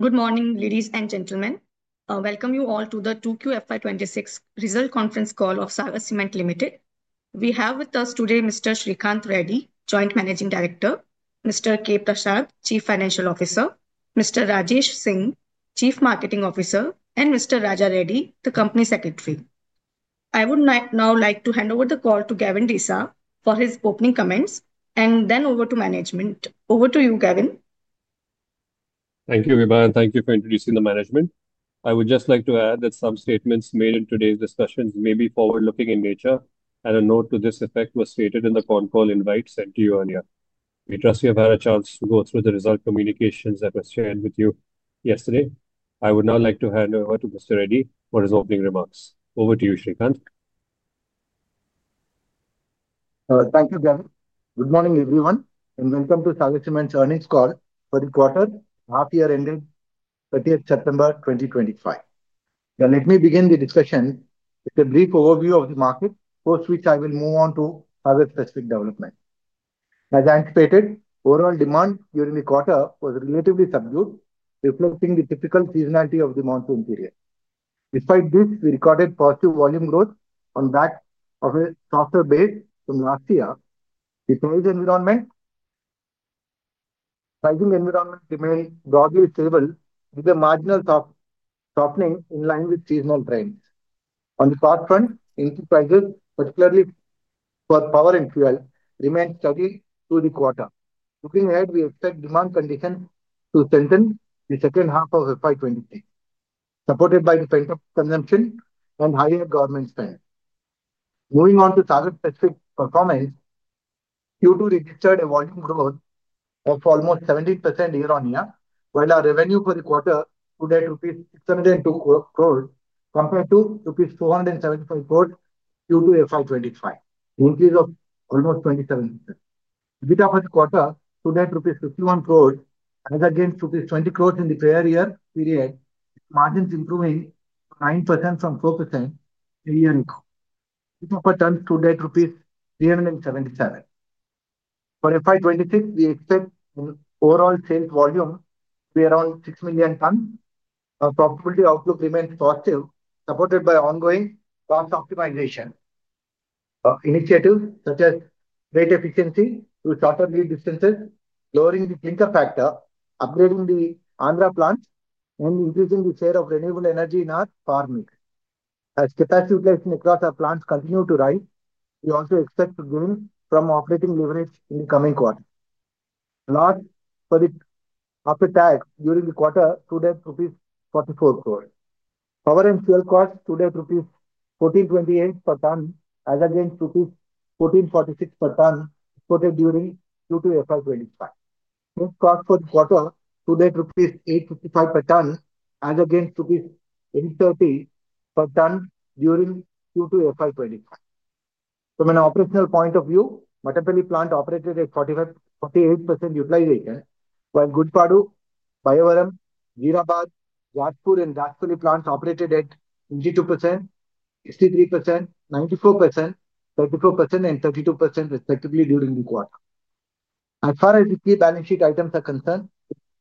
Good morning, ladies and gentlemen. Welcome you all to the 2QFY26 Result Conference Call of Sagar Cements Ltd. We have with us today Mr. S. Sreekanth Reddy, Joint Managing Director; Mr. K. Prasad, Chief Financial Officer; Mr. Rajesh Singh, Chief Marketing Officer; and Mr. J. Raja Reddy, the Company Secretary. I would now like to hand over the call to Gavin Desa for his opening comments, and then over to management. Over to you, Gavin. Thank you, Viva. Thank you for introducing the management. I would just like to add that some statements made in today's discussions may be forward-looking in nature, and a note to this effect was stated in the call invite sent to you earlier. We trust you have had a chance to go through the result communications that were shared with you yesterday. I would now like to hand over to Mr. Reddy for his opening remarks. Over to you, Sreekanth Reddy. Thank you, Gavin. Good morning, everyone, and welcome to Sagar Cements' earnings call for the quarter half year ending 30th September 2025. Now, let me begin the discussion with a brief overview of the market, post which I will move on to other specific developments. As anticipated, overall demand during the quarter was relatively subdued, reflecting the typical seasonality of the monsoon period. Despite this, we recorded positive volume growth on the back of a softer base from last year. The pricing environment remains broadly stable, with the margins softening in line with seasonal trends. On the cost front, input prices, particularly for power and fuel, remain steady through the quarter. Looking ahead, we expect demand conditions to strengthen in the second half of FY25, supported by defensive consumption and higher government spend. Moving on to Sagar's specific performance, Q2 registered a volume growth of almost 70% year-on-year, while our revenue for the quarter today reached rupees 602 crore compared to rupees 475 crore for FY25, an increase of almost 27%. EBITDA for the quarter today reached rupees 51 crore, as against rupees 20 crore in the prior year period, with margins improving to 9% from 4% a year ago. EBITDA per ton today reached rupees 377. For FY26, we expect the overall sales volume to be around 6 million tons. Our profitability outlook remains positive, supported by ongoing cost optimization initiatives such as freight efficiency through shorter lead distances, lowering the clinker factor, upgrading the Andhra Cements Ltd plants, and increasing the share of renewable energy in our power mix. As capacity utilization across our plants continues to rise, we also expect to gain from operating leverage in the coming quarter. The net loss after tax during the quarter today reached rupees 44 crore. Power and fuel costs today reached rupees 1,428 per ton, as against rupees 1,446 per ton during Q2 FY25. Sales cost for the quarter today reached rupees 855 per ton, as against rupees 830 per ton during Q2 FY25. From an operational point of view, Mattapalli plant operated at 48% utilization, while Gudipadu, Bayyavaram, Geerabad, Rajpuri, and Rajpur plants operated at 52%, 63%, 94%, 34%, and 32% respectively during the quarter. As far as the key balance sheet items are concerned,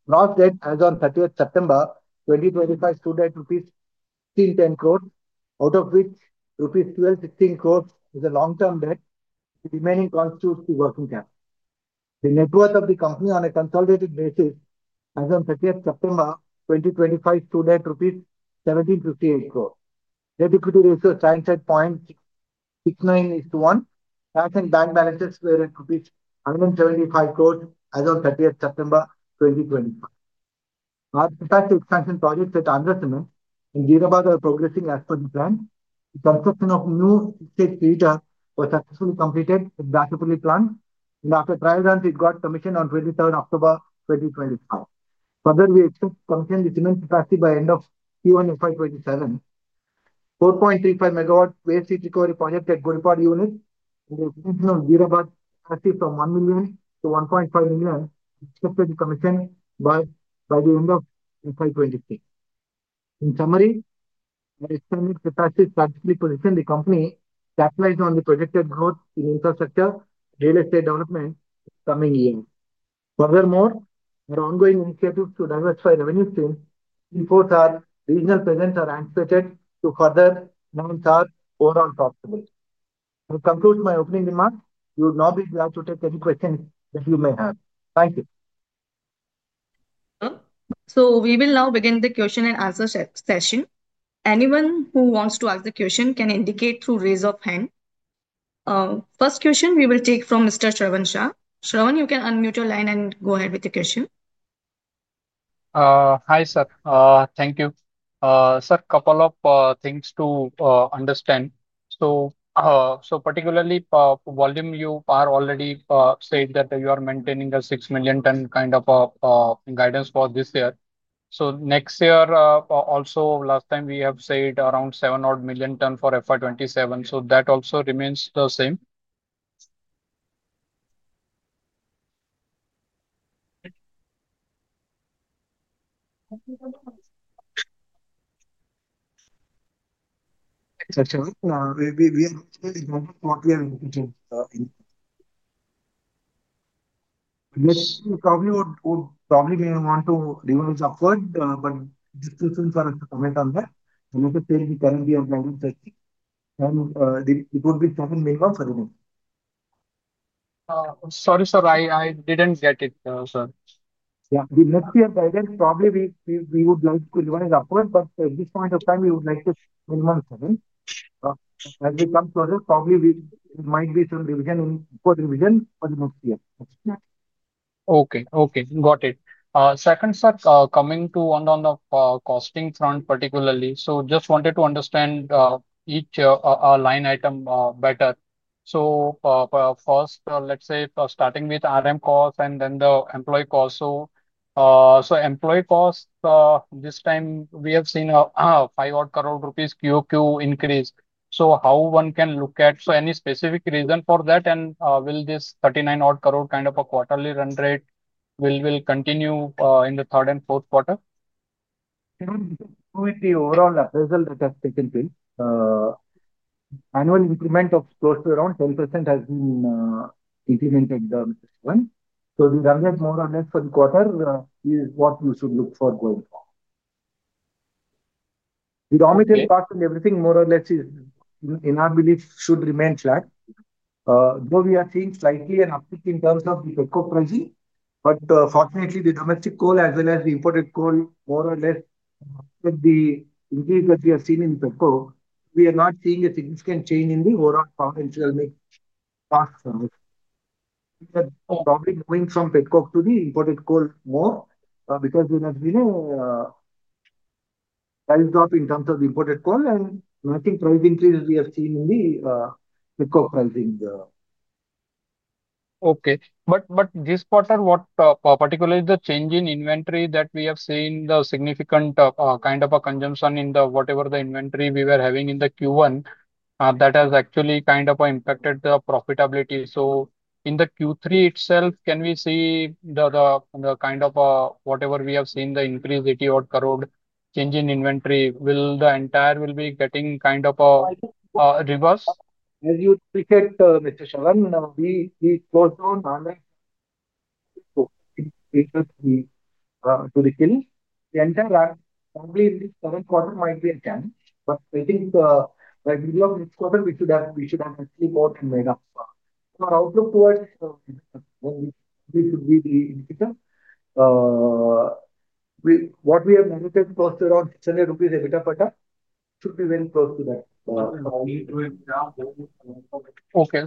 gross debt as on 30th September 2025 today reached rupees 1,610 crore, out of which rupees 1,216 crore is long-term debt, the remaining constitutes the working capital. The net worth of the company on a consolidated basis as on 30th September 2025 today reached rupees 1,758 crores. Debt-to-equity ratio stands at 0.69:1. Cash and bank balances were at rupees 175 crores as on 30th September 2025. Our capacity expansion projects at Andhra Cements Ltd and Geerabad are progressing as per the plan. The construction of a new six-stage preheater was successfully completed at Rajpuri plant, and after trial runs, it got commissioned on 23rd October 2025. Further, we expect to commission the cement capacity by the end of Q1 FY27. The 4.35 MW waste heat recovery system at Gudipadu units and the expansion of Geerabad capacity from 1 million to 1.5 million is expected to be commissioned by the end of FY26. In summary, our expanding capacity has successfully positioned the company, capitalizing on the projected growth in infrastructure and real estate development in the coming years. Furthermore, our ongoing initiatives to diversify revenue streams enforce our regional presence as anticipated to further enhance our overall profitability. To conclude my opening remarks, I would now be glad to take any questions that you may have. Thank you. We will now begin the question and answer session. Anyone who wants to ask a question can indicate through raise of hand. First question we will take from Mr. Shravan Shah. Shravan, you can unmute your line and go ahead with the question. Hi, sir. Thank you. Sir, a couple of things to understand. Particularly volume, you already said that you are maintaining a 6 million ton kind of guidance for this year. Next year, also last time we have said around 7 odd million ton for FY 2027, that also remains the same. Next question, we are not sure what we are looking for. We probably may want to revise our quote, just to see if you want to comment on that. As I said, we currently are planning 30, and it would be 7 minimum, 7. Sorry, sir, I didn't get it. Yeah, the next year guidance probably we would like to revise our quote, but at this point of time, we would like to minimum 7. As we come closer, probably it might be some revision in code revision for the next year. Okay, okay, got it. Second, sir, coming to on the costing front particularly, just wanted to understand each line item better. First, let's say starting with RM cost and then the employee cost. Employee cost, this time we have seen a 5 crore rupees quarter-on-quarter increase. How one can look at, any specific reason for that, and will this 39 crore kind of a quarterly run rate continue in the third and fourth quarter? With the overall appraisal that has taken place, annual increment of close to around 10% has been implemented this one. The run rate more or less for the quarter is what we should look for going forward. The raw material cost and everything more or less is in our belief should remain flat. Though we are seeing slightly an uptick in terms of the PECO pricing, fortunately, the domestic coal as well as the imported coal more or less with the increase that we have seen in PECO, we are not seeing a significant change in the overall power and fuel mix cost. We are probably moving from PECO to the imported coal more because there has been a price drop in terms of the imported coal and matching price increases we have seen in the PECO pricing. Okay, this quarter, what particularly the change in inventory that we have seen, the significant kind of a consumption in whatever the inventory we were having in Q1, that has actually kind of impacted the profitability. In Q3 itself, can we see the kind of whatever we have seen, the increase 80 crore change in inventory, will the entire be getting kind of a reverse? As you indicate, Mr. Shravan, we closed down the entire rack. Probably in this current quarter might be a chance, but I think by the middle of next quarter, we should have actually bought and made up. Our outlook towards when we should be the indicator, what we have monitored close to around 600 rupees EBITDA per ton, should be very close to that. Okay,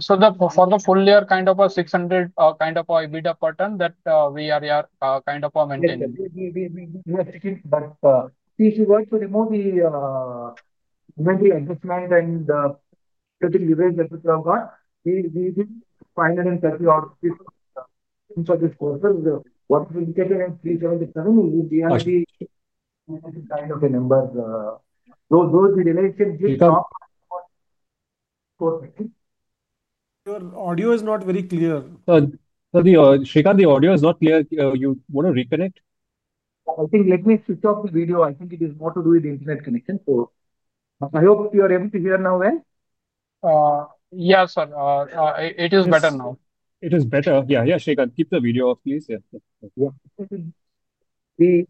for the full year, kind of a 600 kind of EBITDA per ton that we are kind of maintaining. We have taken, but if you were to remove the inventory adjustment and the leverage that we have got, we did INR 530 crore this quarter. What we indicated in 376 crore would be a kind of a number. Though the relationship. Sir, audio is not very clear. Sir, sorry, Sreekanth, the audio is not clear. You want to reconnect? I think let me switch off the video. I think it is more to do with the internet connection. I hope you are able to hear now well. Yeah, sir, it is better now. It is better. Yeah, yeah, Sreekanth, keep the video off, please. Yeah. The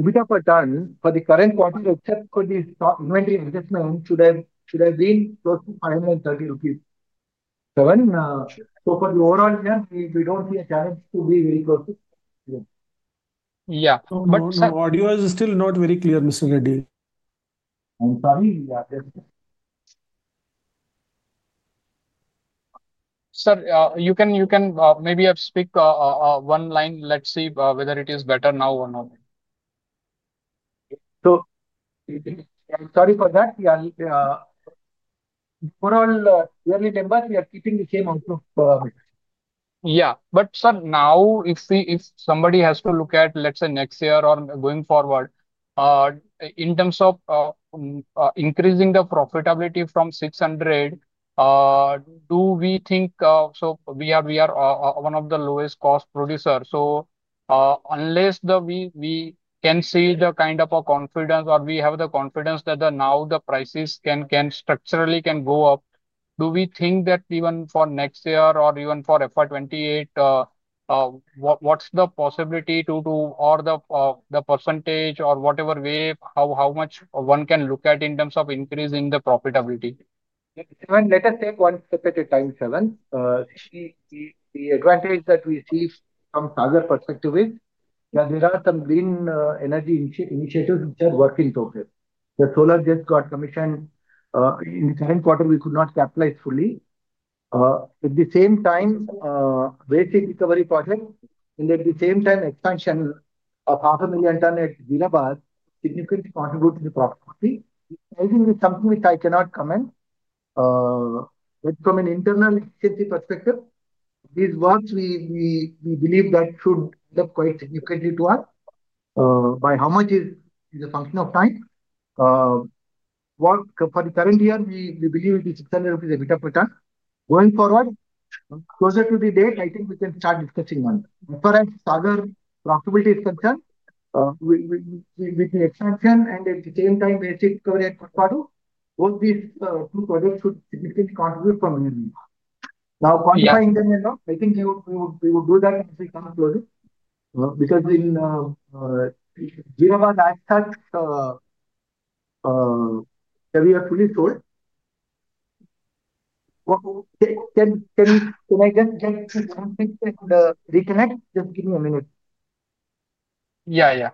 EBITDA per ton for the current quarter, except for the inventory adjustment, should have been close to 530 rupees. For the overall year, we don't see a chance to be very close to. Yeah, the audio is still not very clear, Mr. Reddy. I'm sorry, yeah. Sir, you can maybe speak one line. Let's see whether it is better now or not. I'm sorry for that. For all yearly numbers, we are keeping the same outlook. Yeah, sir, now if somebody has to look at, let's say, next year or going forward, in terms of increasing the profitability from 600, do we think we are one of the lowest cost producers. Unless we can see the kind of confidence or we have the confidence that now the prices can structurally go up, do we think that even for next year or even for FY 2028, what's the possibility to, or the percentage or whatever way, how much one can look at in terms of increasing the profitability? Let us take one step at a time, Shravan. The advantage that we see from Sagar's perspective is that there are some green energy initiatives which are work in progress. The solar just got commissioned in the current quarter. We could not capitalize fully. At the same time, waste heat recovery projects, and at the same time, expansion of half a million ton at Geerabad significantly contributes to the profitability. I think it's something which I cannot comment. From an internal efficiency perspective, these works we believe that should help quite significantly to us. By how much is a function of time? For the current year, we believe it is 600 rupees EBITDA per ton. Going forward, closer to the date, I think we can start discussing one. As far as Sagar's profitability is concerned, with the expansion and at the same time waste heat recovery at Gudipadu, both these two projects should significantly contribute from energy. Now quantifying them and all, I think we would do that once we come closer because in Geerabad as such, we are fully sold. Can I just get to one sec and reconnect? Just give me a minute. Yeah, yeah.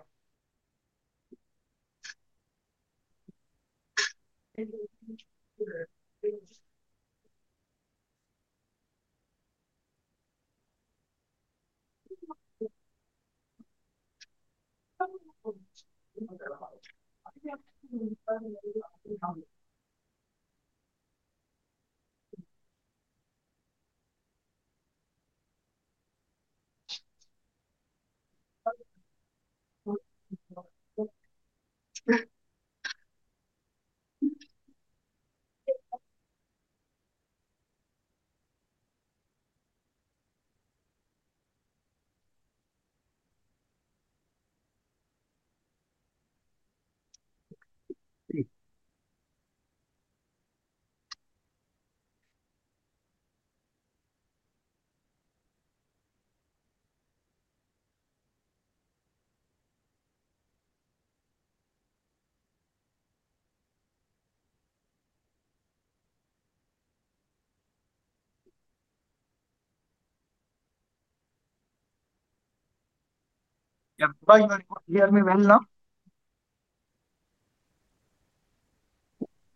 Viva, you are able to hear me well now?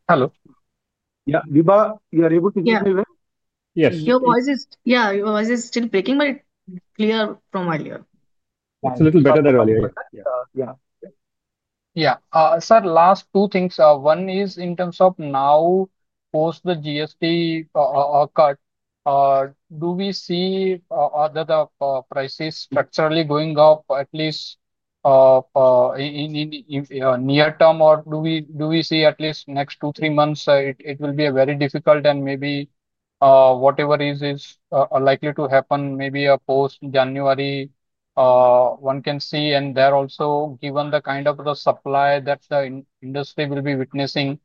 Hello? Yeah, Viva, are you able to hear me well? Yes. Your voice is still breaking, but it's clear from earlier. It's a little better than earlier. Yeah. Sir, last two things. One is in terms of now post the GST cut, do we see that the prices structurally going up at least in the near term, or do we see at least next two, three months it will be very difficult and maybe whatever is likely to happen maybe post January one can see and there also given the kind of the supply that the industry will be witnessing,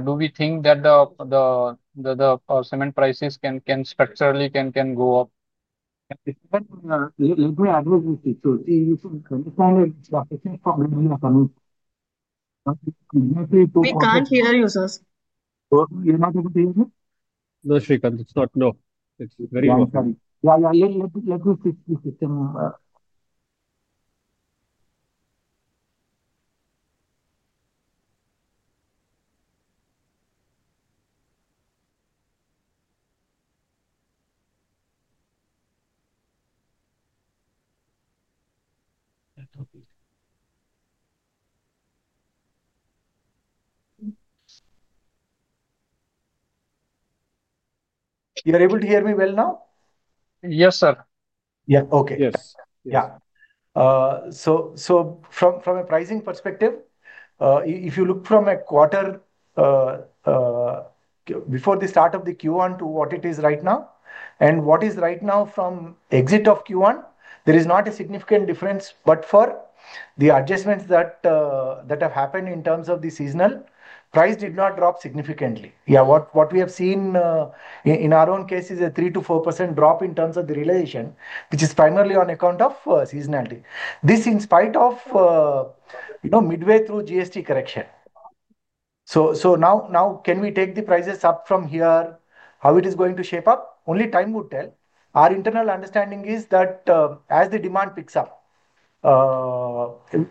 do we think that the cement prices can structurally go up? Let me address the system. It's not clear to you, sir? No, Sreekanth, it's not low. It's very low. Yeah, let me fix the system. You are able to hear me well now? Yes, sir. Yeah, okay. Yes. Yeah. From a pricing perspective, if you look from a quarter before the start of Q1 to what it is right now, and what is right now from exit of Q1, there is not a significant difference, except for the adjustments that have happened in terms of the seasonal, price did not drop significantly. What we have seen in our own case is a 3 to 4% drop in terms of the realization, which is primarily on account of seasonality. This is in spite of, you know, midway through GST correction. Now, can we take the prices up from here? How it is going to shape up? Only time would tell. Our internal understanding is that as the demand picks up,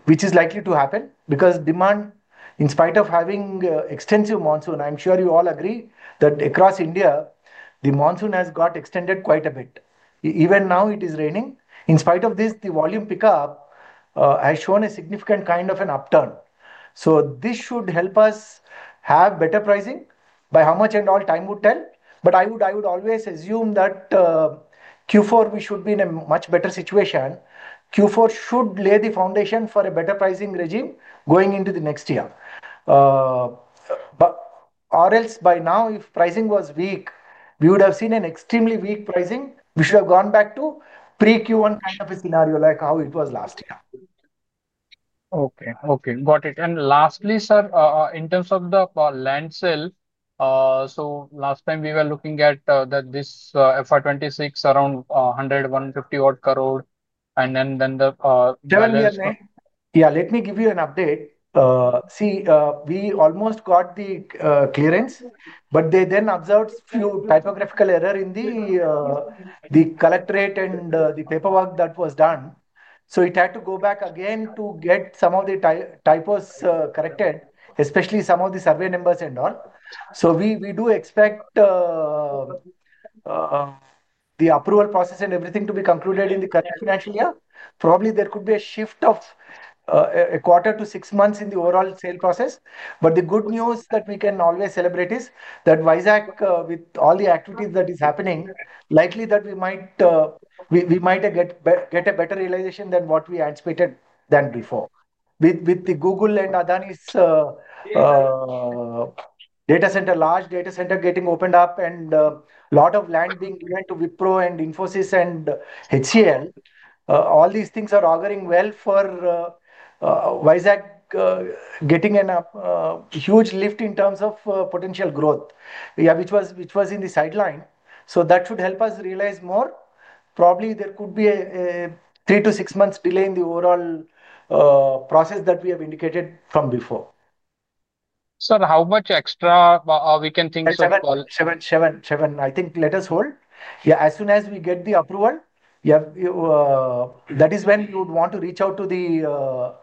which is likely to happen because demand, in spite of having extensive monsoon, I'm sure you all agree that across India, the monsoon has got extended quite a bit. Even now, it is raining. In spite of this, the volume pickup has shown a significant kind of an upturn. This should help us have better pricing. By how much and all, time would tell. I would always assume that Q4, we should be in a much better situation. Q4 should lay the foundation for a better pricing regime going into the next year. If pricing was weak, we would have seen an extremely weak pricing by now. We should have gone back to pre-Q1 kind of a scenario like how it was last year. Okay, got it. Lastly, sir, in terms of the land sale, last time we were looking at this FY2026 around 100 crore, INR 150 crore odd. Then the. Yeah, let me give you an update. See, we almost got the clearance, but they then observed a few typographical errors in the collectorate and the paperwork that was done. It had to go back again to get some of the typos corrected, especially some of the survey numbers and all. We do expect the approval process and everything to be concluded in the current financial year. Probably there could be a shift of a quarter to six months in the overall sale process. The good news that we can always celebrate is that WISAC, with all the activities that are happening, likely that we might get a better realization than what we anticipated before. With the Google and Adani's data center, large data center getting opened up and a lot of land being given to Wipro and Infosys and HCL, all these things are auguring well for WISAC getting a huge lift in terms of potential growth, which was in the sideline. That should help us realize more. Probably there could be a three to six months delay in the overall process that we have indicated from before. Sir, how much extra we can think so far? I think let us hold. Yeah, as soon as we get the approval, that is when we would want to reach out to the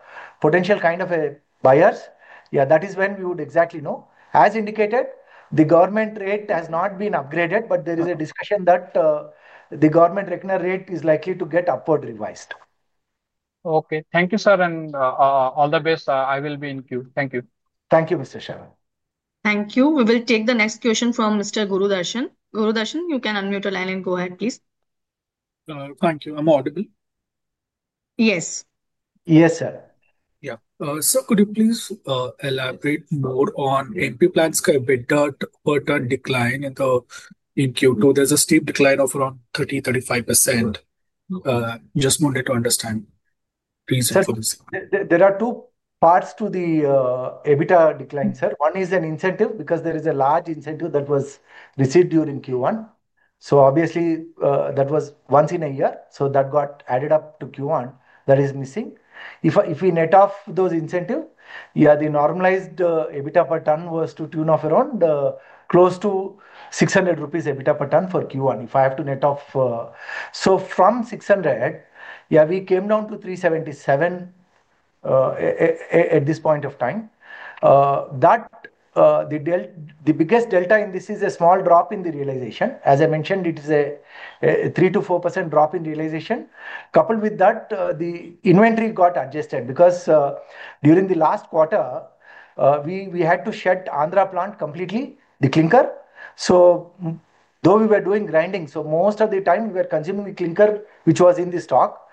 potential kind of buyers. That is when we would exactly know. As indicated, the government rate has not been upgraded, but there is a discussion that the government revenue rate is likely to get upward revised. Okay, thank you, sir, and all the best. I will be in queue. Thank you. Thank you, Mr. Shravan. Thank you. We will take the next question from Mr. Gurudarshan. Gurudarshan, you can unmute your line and go ahead, please. Thank you. Am I audible? Yes. Yes, sir. Could you please elaborate more on MP plants' EBITDA per ton decline in Q2? There's a steep decline of around 30-35%. Just wanted to understand reasons for this. There are two parts to the EBITDA decline, sir. One is an incentive because there is a large incentive that was received during Q1. Obviously, that was once in a year. That got added up to Q1. That is missing. If we net off those incentives, the normalized EBITDA per ton was to the tune of around close to 600 rupees EBITDA per ton for Q1. If I have to net off, from 600, we came down to 377 at this point of time. The biggest delta in this is a small drop in the realization. As I mentioned, it is a 3% to 4% drop in realization. Coupled with that, the inventory got adjusted because during the last quarter, we had to shut the Andhra Cements Ltd plant completely, the clinker. Though we were doing grinding, most of the time we were consuming the clinker, which was in the stock.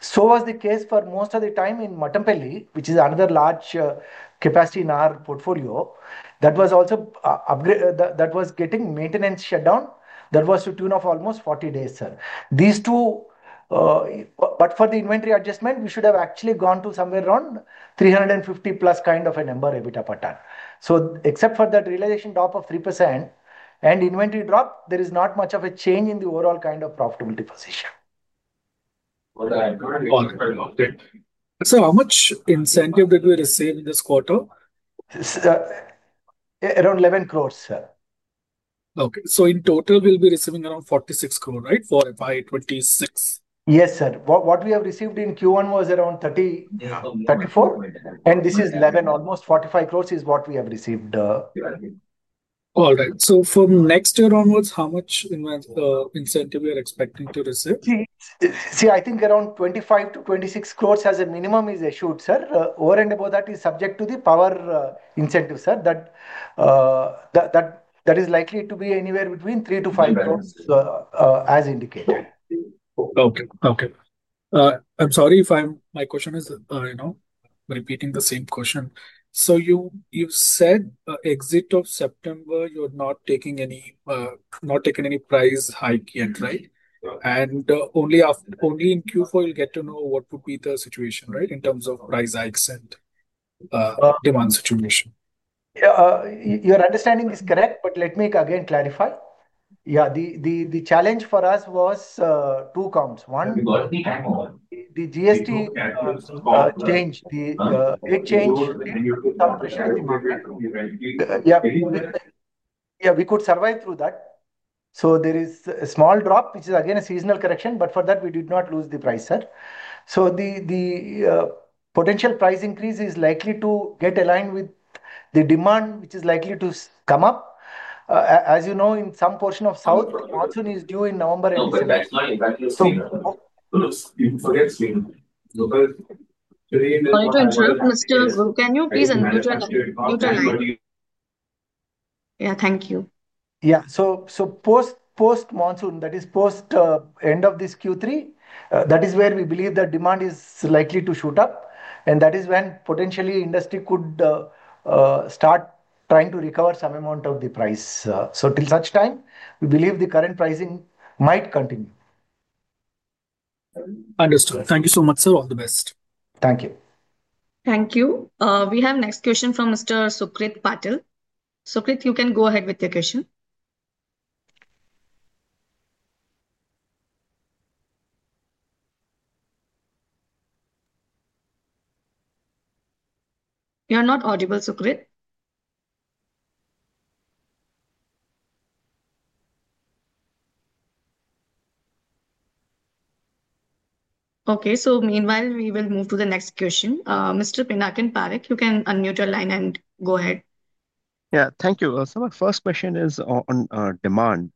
The same was the case for most of the time in Mattapalli, which is another large capacity in our portfolio. That was also under upgrade. That was getting maintenance shutdown. That was to the tune of almost 40 days, sir. These two, but for the inventory adjustment, we should have actually gone to somewhere around 350 plus kind of a number EBITDA per ton. Except for that realization drop of 3% and inventory drop, there is not much of a change in the overall kind of profitability position. Sir, how much incentive did we receive this quarter? Around 110 million, sir. Okay, in total, we'll be receiving around 46 crore, right, for FY 2026? Yes, sir. What we have received in Q1 was around 30, 34. This is 11, almost 45 crore is what we have received. All right. From next year onwards, how much incentive are we expecting to receive? I think around 25 to 26 crore as a minimum is issued, sir. Over and above that is subject to the power incentive, sir. That is likely to be anywhere between 3 to 5 crore as indicated. Okay. I'm sorry if my question is repeating the same question. You said exit of September, you're not taking any, not taking any price hike yet, right? Only in Q4 you'll get to know what would be the situation, right, in terms of price hikes and demand situation. Yeah, your understanding is correct, but let me again clarify. The challenge for us was two counts. One, the GST changed. The big change. We could survive through that. There is a small drop, which is again a seasonal correction, but for that, we did not lose the price, sir. The potential price increase is likely to get aligned with the demand, which is likely to come up. As you know, in some portion of South, monsoon is due in November and December. Sorry to interrupt, Mr. Guru. Can you please unmute your line? Thank you. Yeah. Post-monsoon, that is post-end of this Q3, that is where we believe that demand is likely to shoot up. That is when potentially industry could start trying to recover some amount of the price. Till such time, we believe the current pricing might continue. Understood. Thank you so much, sir. All the best. Thank you. Thank you. We have next question from Mr. Sukrit Patil. Sukrit, you can go ahead with your question. You are not audible, Sukrit. Okay, meanwhile, we will move to the next question. Mr. Pinnakin Parik, you can unmute your line and go ahead. Thank you. My first question is on demand.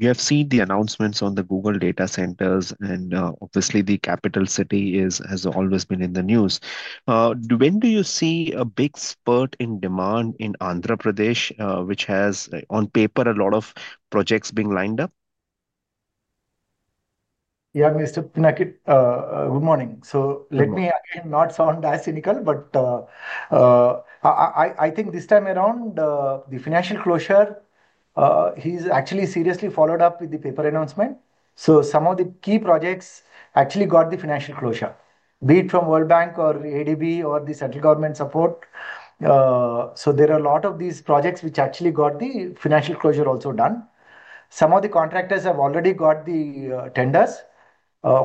We have seen the announcements on the Google data centers, and obviously, the capital city has always been in the news. When do you see a big spurt in demand in Andhra Pradesh, which has on paper a lot of projects being lined up? Yeah, Mr. Pinnakin, good morning. Let me again not sound as cynical, but I think this time around the financial closure, he's actually seriously followed up with the paper announcement. Some of the key projects actually got the financial closure, be it from World Bank or ADB or the central government support. There are a lot of these projects which actually got the financial closure also done. Some of the contractors have already got the tenders.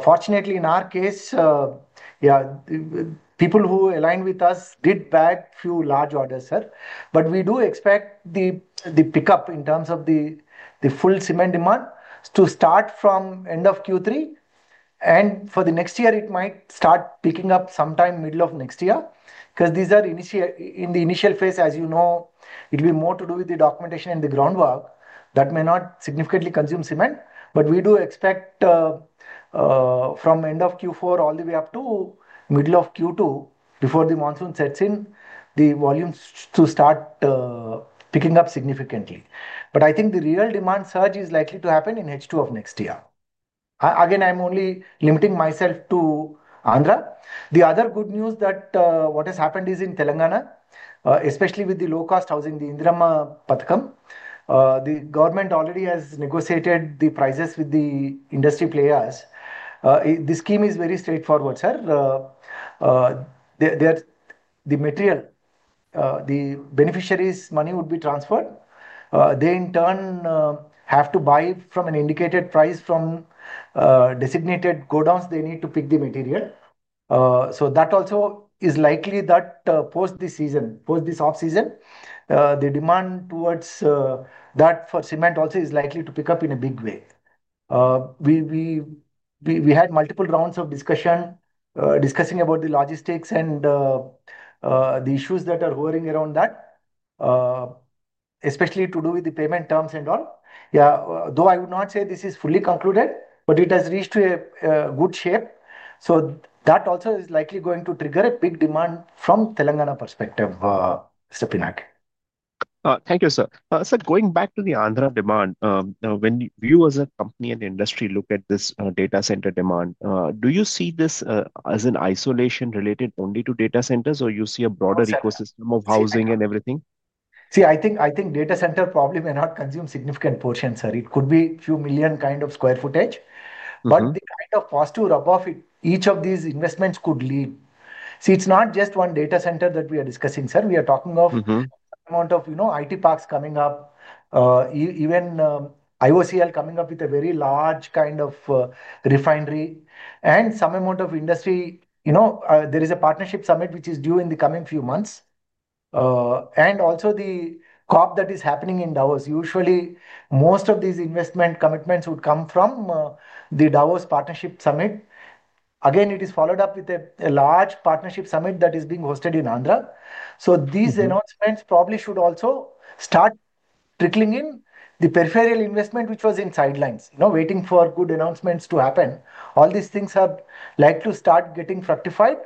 Fortunately, in our case, the people who aligned with us did bag a few large orders, sir. We do expect the pickup in terms of the full cement demand to start from end of Q3. For the next year, it might start picking up sometime middle of next year because these are in the initial phase. As you know, it'll be more to do with the documentation and the groundwork that may not significantly consume cement. We do expect from end of Q4 all the way up to middle of Q2, before the monsoon sets in, the volumes to start picking up significantly. I think the real demand surge is likely to happen in H2 of next year. Again, I'm only limiting myself to Andhra. The other good news is that what has happened is in Telangana, especially with the low-cost housing, the Indram Patkam, the government already has negotiated the prices with the industry players. The scheme is very straightforward, sir. The material, the beneficiaries' money would be transferred. They, in turn, have to buy from an indicated price from designated go downs they need to pick the material. That also is likely that post this season, post this off-season, the demand towards that for cement also is likely to pick up in a big way. We had multiple rounds of discussion discussing about the logistics and the issues that are hovering around that, especially to do with the payment terms and all. Though I would not say this is fully concluded, it has reached a good shape. That also is likely going to trigger a big demand from Telangana perspective, Mr. Pinnakin. Thank you, sir. Sir, going back to the Andhra demand, when you as a company and industry look at this data center demand, do you see this as an isolation related only to data centers, or you see a broader ecosystem of housing and everything? See, I think data center probably may not consume significant portions, sir. It could be a few million kind of square footage. The kind of cost to rub off each of these investments could lead. See, it's not just one data center that we are discussing, sir. We are talking of an amount of, you know, IT parks coming up, even IOCL coming up with a very large kind of refinery, and some amount of industry. There is a partnership summit which is due in the coming few months. Also, the COP that is happening in Davos. Usually, most of these investment commitments would come from the Davos Partnership Summit. Again, it is followed up with a large partnership summit that is being hosted in Andhra. These announcements probably should also start trickling in the peripheral investment which was in sidelines, waiting for good announcements to happen. All these things are likely to start getting fructified,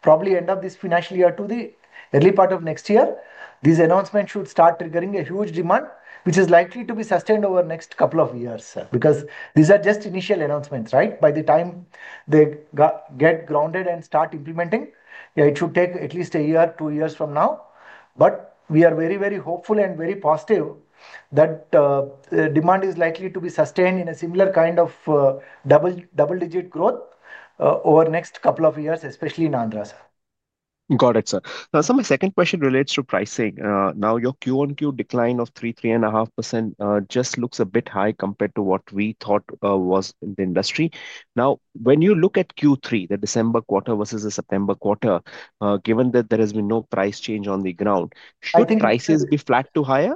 probably end of this financial year to the early part of next year. These announcements should start triggering a huge demand, which is likely to be sustained over the next couple of years, sir, because these are just initial announcements, right? By the time they get grounded and start implementing, yeah, it should take at least a year, two years from now. We are very, very hopeful and very positive that the demand is likely to be sustained in a similar kind of double-digit growth over the next couple of years, especially in Andhra, sir. Got it, sir. Sir, my second question relates to pricing. Now, your Q1 Q decline of 3.5% just looks a bit high compared to what we thought was in the industry. Now, when you look at Q3, the December quarter versus the September quarter, given that there has been no price change on the ground, should prices be flat to higher?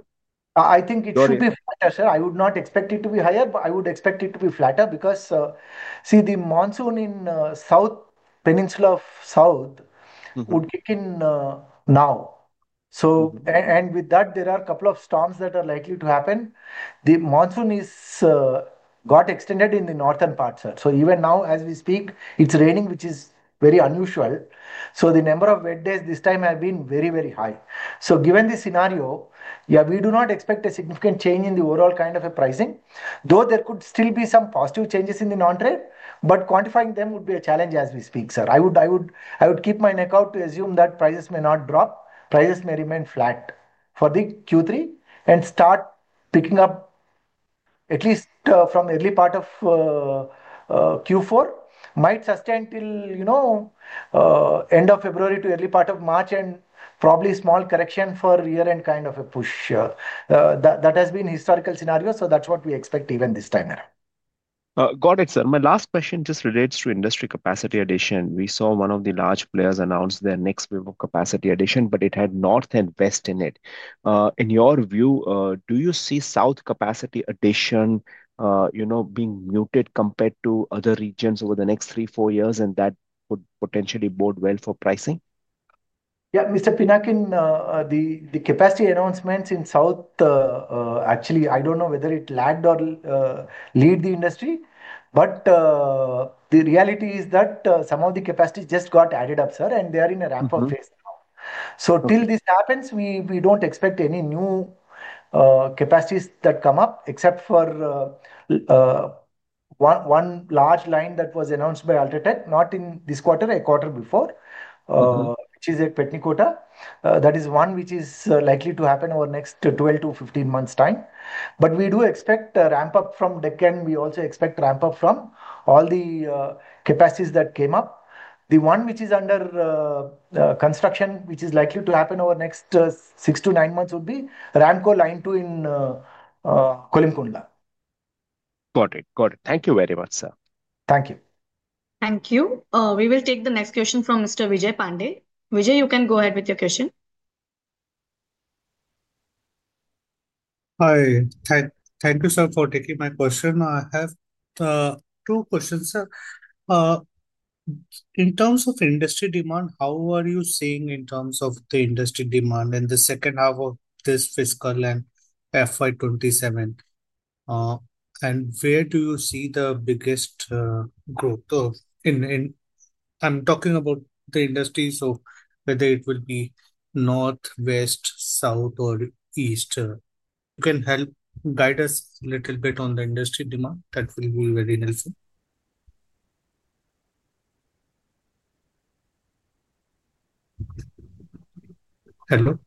I think it should be flatter, sir. I would not expect it to be higher, but I would expect it to be flatter because, see, the monsoon in the South Peninsula of South would kick in now. With that, there are a couple of storms that are likely to happen. The monsoon has got extended in the northern parts, sir. Even now, as we speak, it's raining, which is very unusual. The number of wet days this time has been very, very high. Given this scenario, yeah, we do not expect a significant change in the overall kind of pricing. Though there could still be some positive changes in the non-trade, quantifying them would be a challenge as we speak, sir. I would keep my neck out to assume that prices may not drop. Prices may remain flat for the Q3 and start picking up at least from the early part of Q4. Might sustain till end of February to early part of March and probably a small correction for year-end kind of a push. That has been a historical scenario. That's what we expect even this time around. Got it, sir. My last question just relates to industry capacity addition. We saw one of the large players announce their next wave of capacity addition, but it had north and west in it. In your view, do you see south capacity addition being muted compared to other regions over the next three, four years, and that could potentially bode well for pricing? Yeah, Mr. Pinnakin, the capacity announcements in South, actually, I don't know whether it lagged or leads the industry. The reality is that some of the capacities just got added up, sir, and they are in a ramp-up phase now. Until this happens, we don't expect any new capacities that come up except for one large line that was announced by UltraTech, not in this quarter, a quarter before, which is at Petnikota. That is one which is likely to happen over the next 12 to 15 months' time. We do expect a ramp-up from Deccan. We also expect a ramp-up from all the capacities that came up. The one which is under construction, which is likely to happen over the next six to nine months, would be Ramco line two in Kolimkondla. Got it. Got it. Thank you very much, sir. Thank you. Thank you. We will take the next question from Mr. Vijay Pande. Vijay, you can go ahead with your question. Hi. Thank you, sir, for taking my question. I have two questions, sir. In terms of industry demand, how are you seeing in terms of the industry demand in the second half of this fiscal and FY 2027? Where do you see the biggest growth? I'm talking about the industry, so whether it will be north, west, south, or east. You can help guide us a little bit on the industry demand. That will be very helpful. Hello.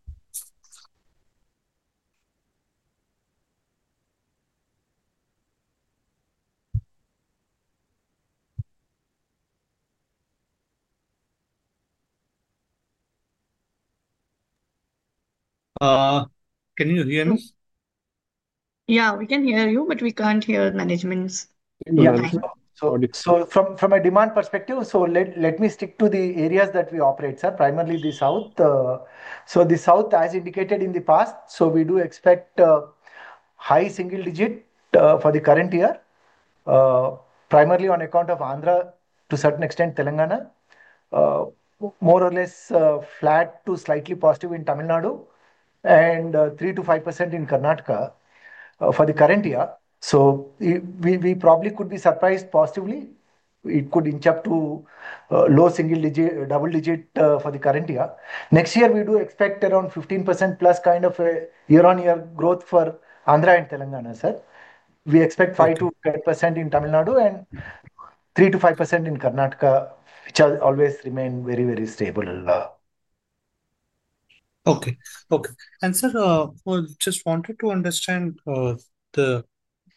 Can you hear me? Yeah, we can hear you, but we can't hear management. Sorry. From a demand perspective, let me stick to the areas that we operate, sir, primarily the south. The south, as indicated in the past, we do expect a high single-digit for the current year, primarily on account of Andhra, to a certain extent, Telangana, more or less flat to slightly positive in Tamil Nadu, and 3% to 5% in Karnataka for the current year. We probably could be surprised positively. It could inch up to low single-digit, double-digit for the current year. Next year, we do expect around 15% plus kind of a year-on-year growth for Andhra and Telangana, sir. We expect 5% to 5% in Tamil Nadu and 3% to 5% in Karnataka, which has always remained very, very stable. Okay. Sir, I just wanted to understand the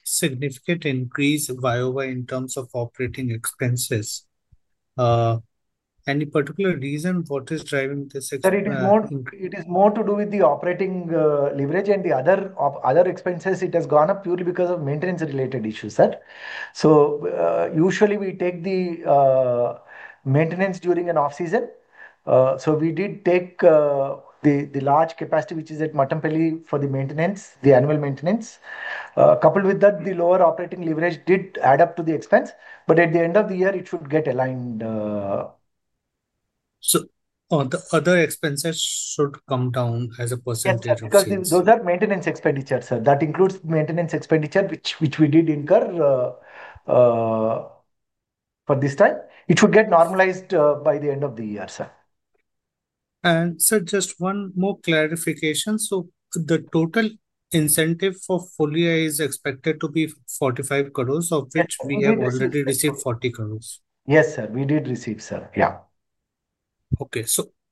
significant increase in Vayava in terms of operating expenses. Any particular reason what is driving this? Sir, it is more to do with the operating leverage and the other expenses. It has gone up purely because of maintenance-related issues, sir. Usually, we take the maintenance during an off-season. We did take the large capacity, which is at Mattapalli, for the maintenance, the annual maintenance. Coupled with that, the lower operating leverage did add up to the expense. At the end of the year, it should get aligned. The other expenses should come down as a percentage of. Yes, because those are maintenance expenditures, sir. That includes maintenance expenditure, which we did incur for this time. It should get normalized by the end of the year, sir. Sir, just one more clarification. The total incentive for Folia is expected to be 45 crore, of which we have already received 40 crore. Yes, sir. We did receive, sir. Yeah.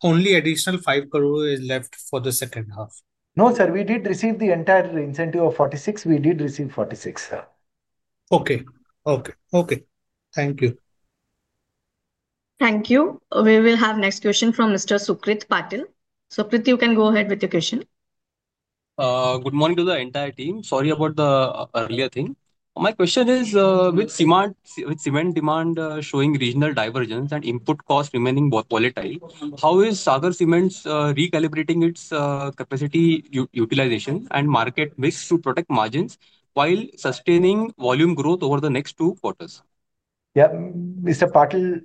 Only an additional 5 crore is left for the second half. No, sir. We did receive the entire incentive of 46 million. We did receive 46 million, sir. Thank you. Thank you. We will have next question from Mr. Sukrit Patil. Sukrit, you can go ahead with your question. Good morning to the entire team. Sorry about the earlier thing. My question is, with cement demand showing regional divergence and input cost remaining volatile, how is Sagar Cements recalibrating its capacity utilization and market mix to protect margins while sustaining volume growth over the next two quarters? Yeah, Mr. Patil,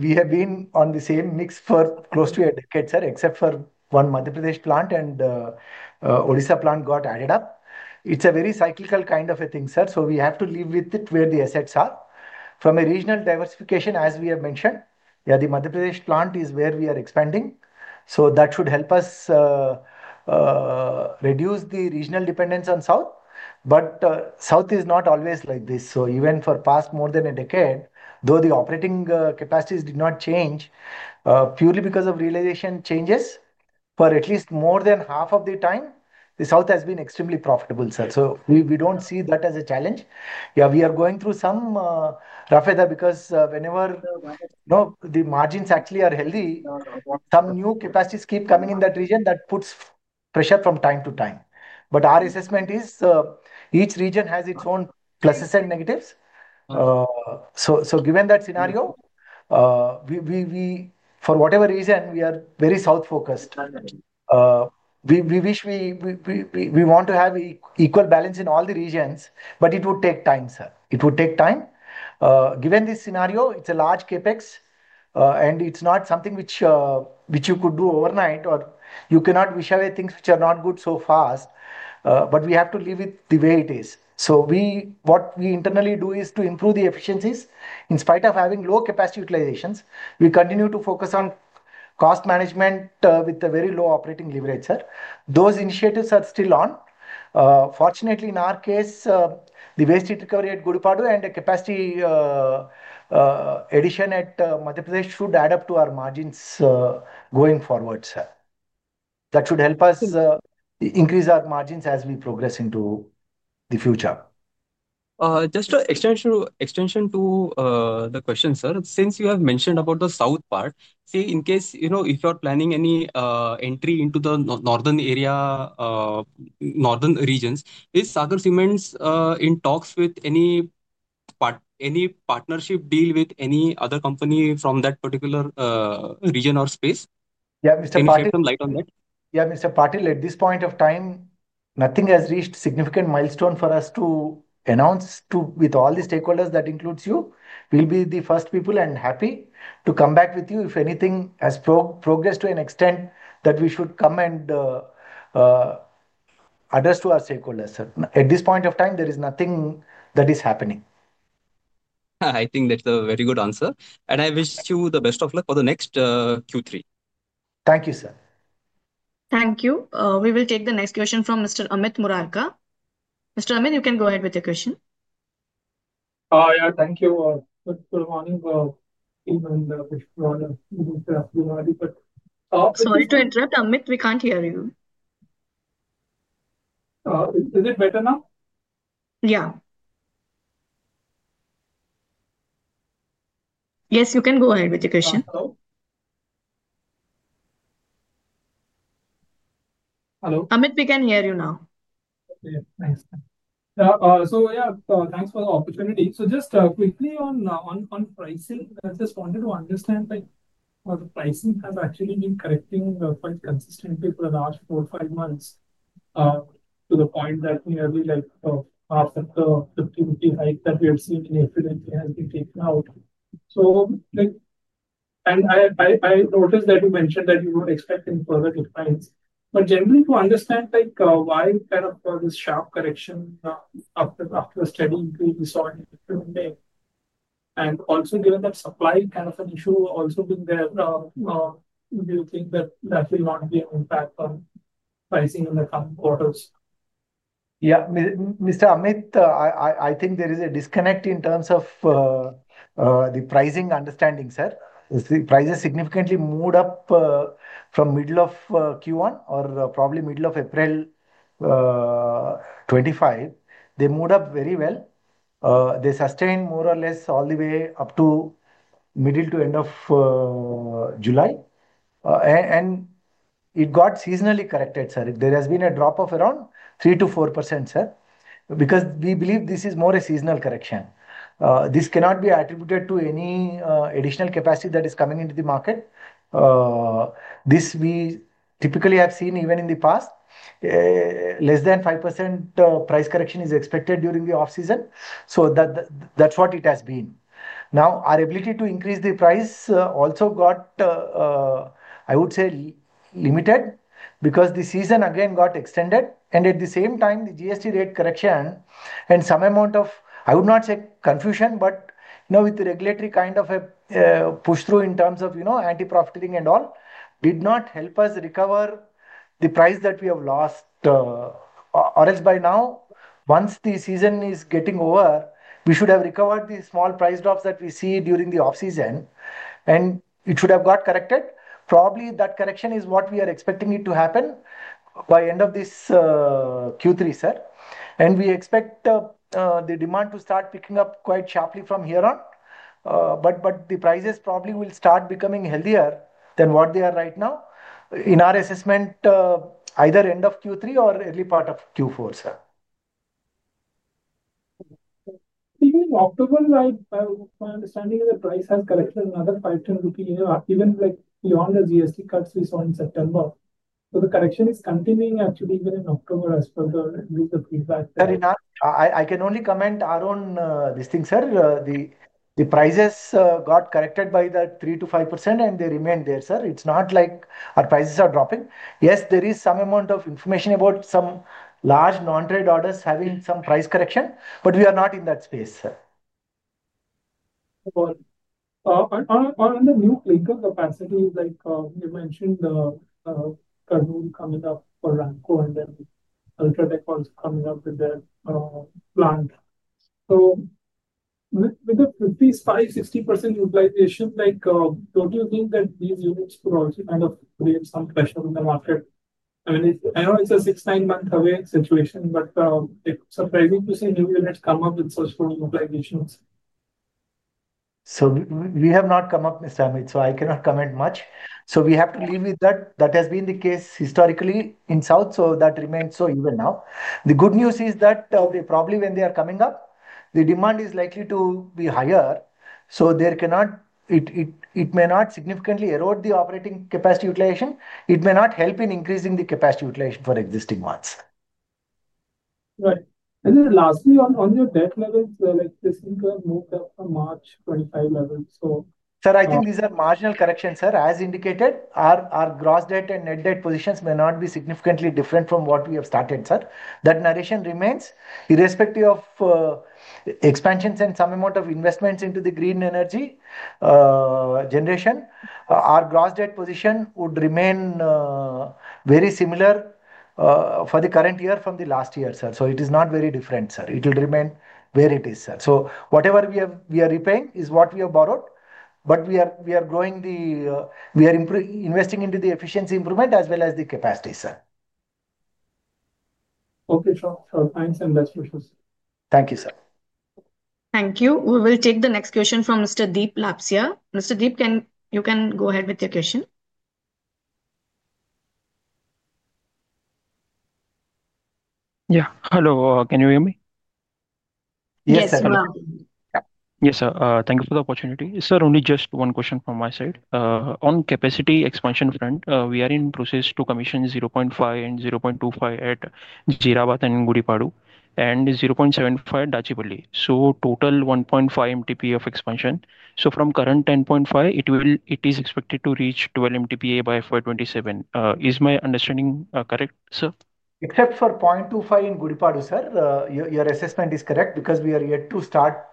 we have been on the same mix for close to a decade, sir, except for one Madhya Pradesh plant and Odisha plant got added up. It's a very cyclical kind of a thing, sir. We have to live with it where the assets are. From a regional diversification, as we have mentioned, the Madhya Pradesh plant is where we are expanding. That should help us reduce the regional dependence on south. South is not always like this. Even for the past more than a decade, though the operating capacities did not change purely because of realization changes, for at least more than half of the time, the south has been extremely profitable, sir. We don't see that as a challenge. We are going through some rough weather because whenever the margins actually are healthy, some new capacities keep coming in that region. That puts pressure from time to time. Our assessment is each region has its own pluses and negatives. Given that scenario, for whatever reason, we are very south focused. We wish we want to have equal balance in all the regions, but it would take time, sir. It would take time. Given this scenario, it's a large CapEx, and it's not something which you could do overnight, or you cannot wish away things which are not good so fast. We have to live with the way it is. What we internally do is to improve the efficiencies. In spite of having low capacity utilizations, we continue to focus on cost management with a very low operating leverage, sir. Those initiatives are still on. Fortunately, in our case, the waste heat recovery at Gudipadu and the capacity addition at Madhya Pradesh should add up to our margins going forward, sir. That should help us increase our margins as we progress into the future. Just an extension to the question, sir. Since you have mentioned about the south part, in case, you know, if you are planning any entry into the northern area, northern regions, is Sagar Cements in talks with any partnership deal with any other company from that particular region or space? Yeah, Mr. Patil. Can you shed some light on that? Yeah, Mr. Patil, at this point of time, nothing has reached a significant milestone for us to announce with all the stakeholders, that includes you. We'll be the first people and happy to come back with you if anything has progressed to an extent that we should come and address to our stakeholders, sir. At this point of time, there is nothing that is happening. I think that's a very good answer. I wish you the best of luck for the next Q3. Thank you, sir. Thank you. We will take the next question from Mr. Amit Murarka. Mr. Amit, you can go ahead with your question. Yeah, thank you. Good morning. Sorry to interrupt, Amit, we can't hear you. Is it better now? Yes, you can go ahead with your question. Hello. Hello. Amit, we can hear you now. Okay, thanks. Thanks for the opportunity. Just quickly on pricing, I just wanted to understand, the pricing has actually been correcting quite consistently for the last four or five months to the point that nearly half of the 50-50 hike that we have seen in April has been taken out. I noticed that you mentioned that you don't expect any further declines. Generally, to understand why this sharp correction after the steady increase we saw in April and May, and also given that supply is kind of an issue also being there, do you think that will not be an impact on pricing in the coming quarters? Yeah, Mr. Amit, I think there is a disconnect in terms of the pricing understanding, sir. The prices significantly moved up from the middle of Q1 or probably the middle of April 2025. They moved up very well. They sustained more or less all the way up to the middle to end of July, and it got seasonally corrected, sir. There has been a drop of around 3% to 4%, sir, because we believe this is more a seasonal correction. This cannot be attributed to any additional capacity that is coming into the market. This we typically have seen even in the past. Less than 5% price correction is expected during the off-season. That's what it has been. Now, our ability to increase the price also got, I would say, limited because the season again got extended. At the same time, the GST rate correction and some amount of, I would not say confusion, but with the regulatory kind of a push-through in terms of anti-profiteering and all did not help us recover the price that we have lost. Or else by now, once the season is getting over, we should have recovered the small price drops that we see during the off-season, and it should have got corrected. Probably that correction is what we are expecting to happen by the end of this Q3, sir. We expect the demand to start picking up quite sharply from here on. The prices probably will start becoming healthier than what they are right now in our assessment, either end of Q3 or early part of Q4, sir. Even in October, right, my understanding is that the price has corrected another 5-10 rupees, even beyond the GST cuts we saw in September. The correction is continuing actually even in October as per the price factor. Fair enough. I can only comment on this thing, sir. The prices got corrected by that 3% to 5%, and they remain there, sir. It's not like our prices are dropping. Yes, there is some amount of information about some large non-trade orders having some price correction, but we are not in that space, sir. On the new clinker capacity, like you mentioned, the Kazoo coming up for Ramco and then UltraTech also coming up with their plant. With the 55% to 60% utilization, don't you think that these units could also kind of create some pressure in the market? I mean, I know it's a six to nine-month away situation, but it's surprising to see new units come up with such full utilizations. We have not come up, Mr. Amit, so I cannot comment much. We have to live with that. That has been the case historically in the south, so that remains so even now. The good news is that probably when they are coming up, the demand is likely to be higher. It may not significantly erode the operating capacity utilization. It may not help in increasing the capacity utilization for existing ones. Right. Lastly, on the debt levels, the clinker moved up from March 2025 level. Sir, I think these are marginal corrections, sir. As indicated, our gross debt and net debt positions may not be significantly different from what we have started, sir. That narration remains, irrespective of expansions and some amount of investments into the green energy generation, our gross debt position would remain very similar for the current year from the last year, sir. It is not very different, sir. It will remain where it is, sir. Whatever we are repaying is what we have borrowed. We are investing into the efficiency improvement as well as the capacity, sir. Okay, sir. Thanks and best wishes, sir. Thank you, sir. Thank you. We will take the next question from Mr. Deep Lapsia. Mr. Deep, you can go ahead with your question. Yeah, hello. Can you hear me? Yes, sir. Yes, sir. Thank you for the opportunity. Sir, only just one question from my side. On capacity expansion front, we are in process to commission 0.5 and 0.25 at Geerabad and Gudipadu and 0.75 at Mattapalli. Total 1.5 MTPA of expansion. From current 10.5, it is expected to reach 12 MTPA by FY27. Is my understanding correct, sir? Except for 0.25 in Gudipadu, sir, your assessment is correct because we are yet to start.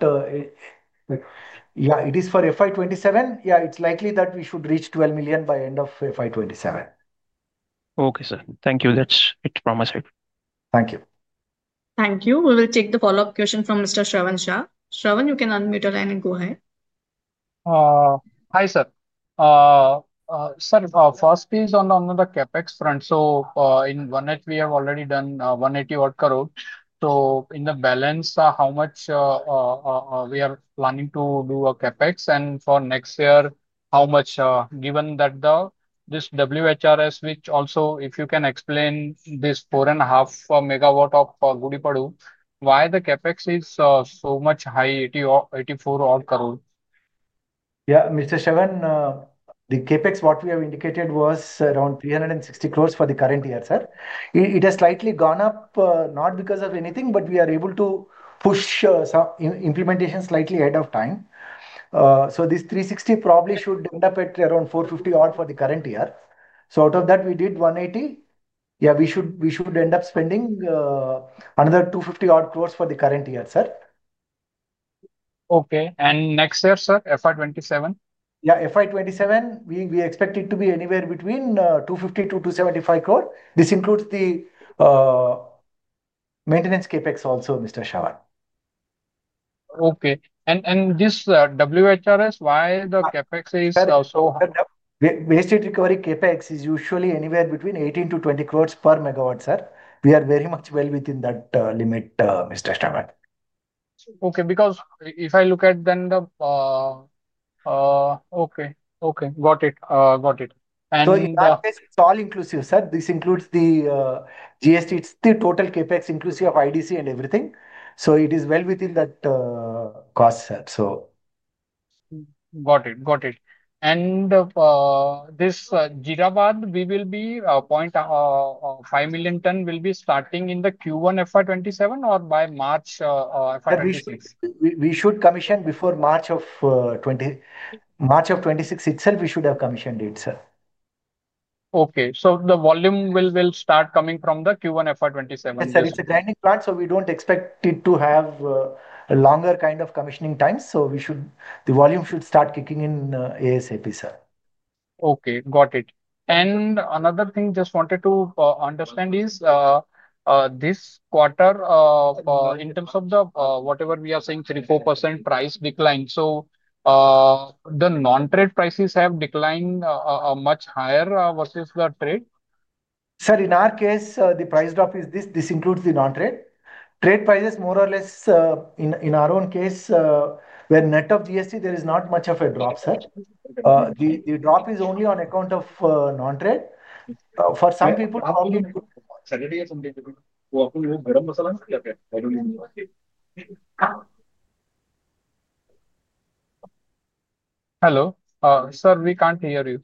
Yeah, it is for FY27. Yeah, it's likely that we should reach 12 million by the end of FY27. Okay, sir. Thank you. That's it from my side. Thank you. Thank you. We will take the follow-up question from Mr. Shravan Shah. Shravan, you can unmute your line and go ahead. Hi, sir. Sir, first piece on the CapEx front. In 180 crore, we have already done 180 odd crore. In the balance, how much are we planning to do as CapEx? For next year, how much, given that this WHRS, which also, if you can explain this 4.5 megawatt at Gudipadu, why the CapEx is so much high, 84 odd crore? Yeah, Mr. Shravan, the CapEx, what we have indicated was around 360 crore for the current year, sir. It has slightly gone up, not because of anything, but we are able to push some implementation slightly ahead of time. This 360 crore probably should end up at around 450 crore for the current year. Out of that, we did 180 crore. We should end up spending another 250 crore for the current year, sir. Okay. Next year, sir, FY 2027? Yeah, FY27, we expect it to be anywhere between 250 crore to 275 crore. This includes the maintenance CapEx also, Mr. Shravan. This waste heat recovery system, why is the CapEx so high? Waste heat recovery CapEx is usually anywhere between 18 to 20 crore per megawatt, sir. We are very much well within that limit, Mr. Shravan. Okay, got it. Got it. It is all inclusive, sir. This includes the GST. It's the total CapEx inclusive of IDC and everything. It is well within that cost, sir. Got it. Got it. This Geerabad, we will be 0.5 million ton, will be starting in Q1 FY27 or by March FY26? We should commission before March 2026. March 2026 itself, we should have commissioned it, sir. Okay, the volume will start coming from Q1 FY2027. Yes, sir. It's a dynamic plant, so we don't expect it to have a longer kind of commissioning time. The volume should start kicking in ASAP, sir. Okay. Got it. Another thing I just wanted to understand is this quarter, in terms of whatever we are saying, 3-4% price decline. The non-trade prices have declined much higher versus the trade. Sir, in our case, the price drop is this. This includes the non-trade. Trade prices, more or less, in our own case, where net of GST, there is not much of a drop, sir. The drop is only on account of non-trade for some people. Hello. Sir, we can't hear you.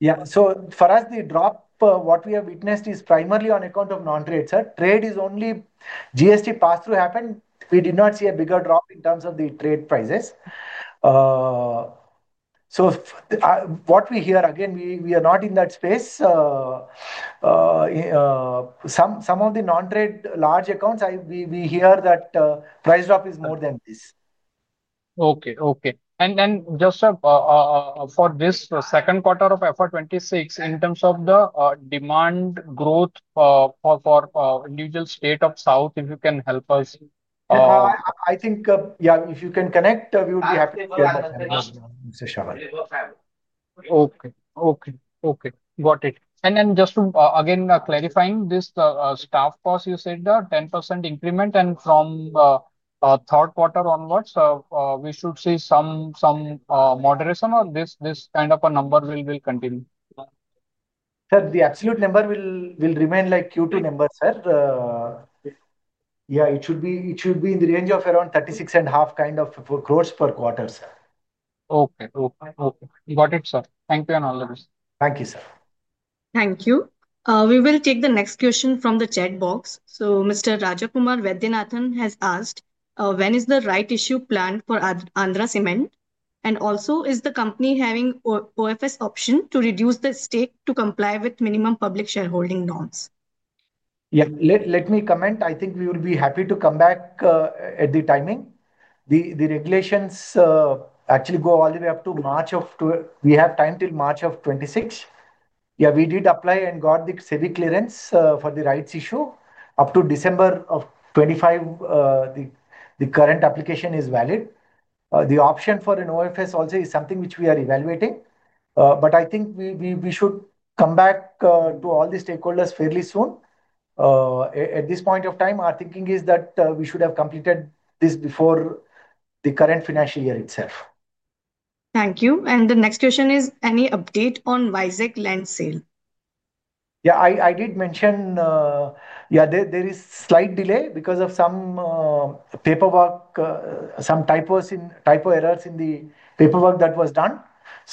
Yeah. For us, the drop we have witnessed is primarily on account of non-trade, sir. Trade is only GST pass-through happened. We did not see a bigger drop in terms of the trade prices. What we hear, again, we are not in that space, some of the non-trade large accounts, we hear that price drop is more than this. Okay. For this second quarter of FY26, in terms of the demand growth for the individual state of South, if you can help us. I think if you can connect, we would be happy to share that. Okay. Got it. Just to clarify this staff cost, you said the 10% increment, and from third quarter onwards, we should see some moderation or this kind of a number will continue. Sir, the absolute number will remain like Q2 number, sir. It should be in the range of around 36.5 crore per quarter, sir. Okay. Got it, sir. Thank you and all the best. Thank you, sir. Thank you. We will take the next question from the chat box. Mr. Rajakumar Vedyanathan has asked, when is the rights issue planned for Andhra Cements Ltd? Also, is the company having OFS option to reduce the stake to comply with minimum public shareholding norms? Yeah, let me comment. I think we would be happy to come back at the timing. The regulations actually go all the way up to March of 2026. Yeah, we did apply and got the CEDI clearance for the rights issue. Up to December of 2025, the current application is valid. The option for an OFS also is something which we are evaluating. I think we should come back to all the stakeholders fairly soon. At this point of time, our thinking is that we should have completed this before the current financial year itself. Thank you. The next question is, any update on WISAC land sale? Yeah, I did mention, there is a slight delay because of some paperwork, some typo errors in the paperwork that was done.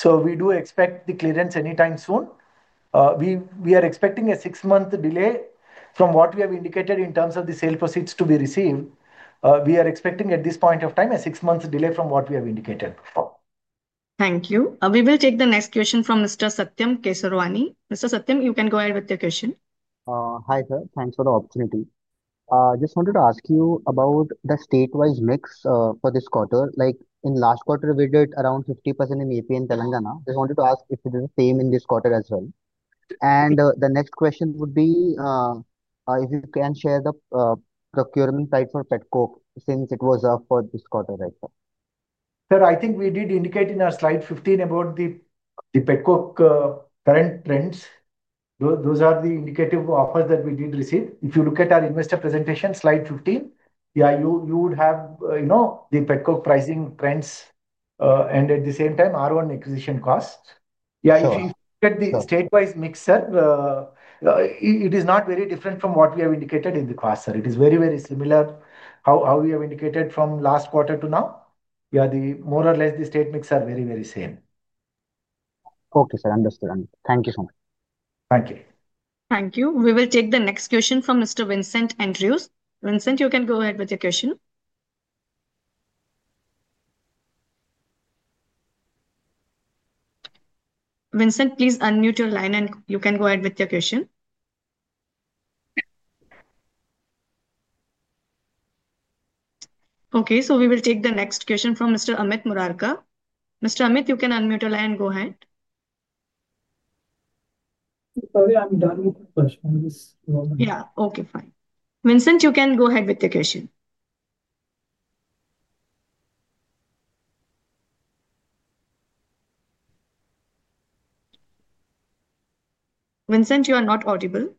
We do expect the clearance anytime soon. We are expecting a six-month delay from what we have indicated in terms of the sale proceeds to be received. We are expecting at this point of time a six-month delay from what we have indicated before. Thank you. We will take the next question from Mr. Satyam Kesarwani. Mr. Satyam, you can go ahead with your question. Hi sir. Thanks for the opportunity. I just wanted to ask you about the statewide mix for this quarter. Like in the last quarter, we did around 50% in Andhra Pradesh and Telangana. I just wanted to ask if it is the same in this quarter as well. The next question would be if you can share the procurement price for Petcoke since it was up for this quarter right now. Sir, I think we did indicate in our slide 15 about the Petcoke current trends. Those are the indicative offers that we did receive. If you look at our investor presentation slide 15, you would have the Petcoke pricing trends. At the same time, R1 acquisition costs. If you look at the statewide mix, sir, it is not very different from what we have indicated in the past, sir. It is very, very similar to how we have indicated from last quarter to now. The more or less the state mix are very, very same. Okay, sir. Understood. Thank you so much. Thank you. Thank you. We will take the next question from Mr. Vincent Andrews. Vincent, you can go ahead with your question. Vincent, please unmute your line and you can go ahead with your question. We will take the next question from Mr. Amit Murarka. Mr. Amit, you can unmute your line and go ahead. Sorry, I'm done with the question. Yeah, okay, fine. Vincent, you can go ahead with your question. Vincent, you are not audible.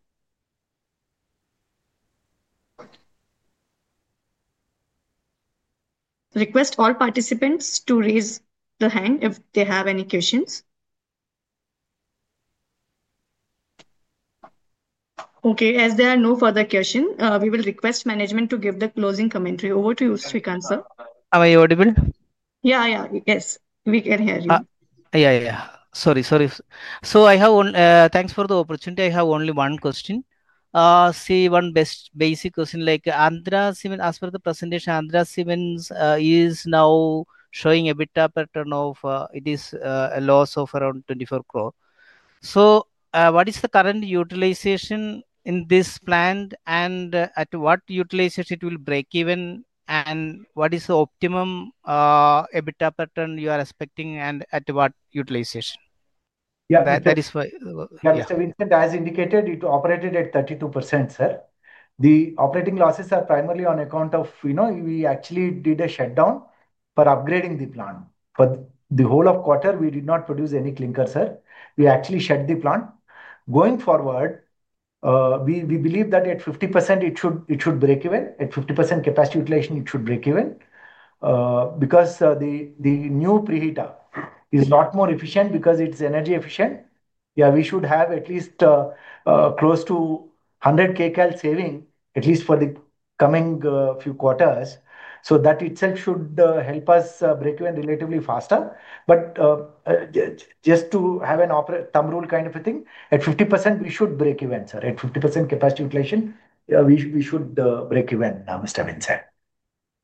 Request all participants to raise their hand if they have any questions. Okay, as there are no further questions, we will request management to give the closing commentary. Over to you, Sreekanth sir. Am I audible? Yes, we can hear you. Sorry, sorry. Thanks for the opportunity. I have only one question. See, one basic question. Like Andhra Cements Ltd, as per the presentation, Andhra Cements Ltd is now showing a beta pattern of, it is a loss of around 24 crore. What is the current utilization in this plant and at what utilization will it break even? What is the optimum EBITDA pattern you are expecting and at what utilization? That is why. Mr. Vincent, as indicated, it operated at 32%, sir. The operating losses are primarily on account of, you know, we actually did a shutdown for upgrading the plant. For the whole of the quarter, we did not produce any clinker, sir. We actually shut the plant. Going forward, we believe that at 50%, it should break even. At 50% capacity utilization, it should break even because the new preheater is a lot more efficient because it's energy efficient. We should have at least close to 100 kcal saving, at least for the coming few quarters. That itself should help us break even relatively faster. Just to have a thumb rule kind of a thing, at 50%, we should break even, sir. At 50% capacity utilization, we should break even now, Mr. Vincent.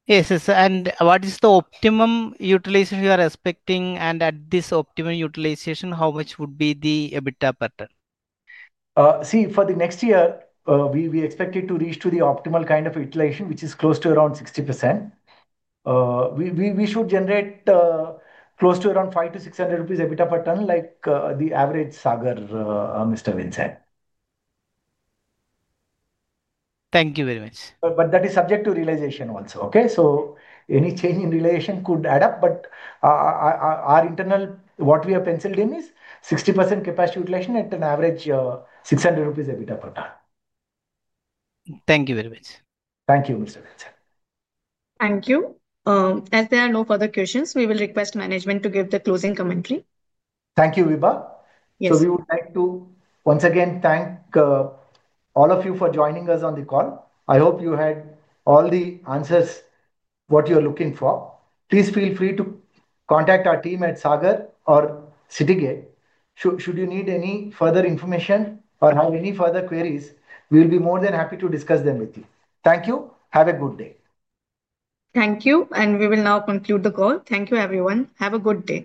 Yes, sir. What is the optimum utilization you are expecting? At this optimum utilization, how much would be the EBITDA pattern? See, for the next year, we expect it to reach to the optimal kind of utilization, which is close to around 60%. We should generate close to around 500 to 600 rupees EBITDA per ton, like the average Sagar, Mr. Vincent. Thank you very much. That is subject to realization also, okay? Any change in realization could add up. Our internal, what we have penciled in is 60% capacity utilization at an average 600 rupees EBITDA per ton. Thank you very much. Thank you, Mr. Vincent. Thank you. As there are no further questions, we will request management to give the closing commentary. Thank you, Vibha. Yes. We would like to once again thank all of you for joining us on the call. I hope you had all the answers to what you're looking for. Please feel free to contact our team at Sagar Cements Ltd or Citygate. Should you need any further information or have any further queries, we'll be more than happy to discuss them with you. Thank you. Have a good day. Thank you. We will now conclude the call. Thank you, everyone. Have a good day.